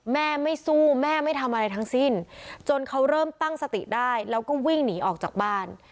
แม่ไม่สู้แม่ไม่ทำอะไรทั้งสิ้นจนเขาเริ่มตั้งสติได้แล้วก็วิ่งหนีออกจากบ้าน